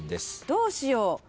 どうしよう。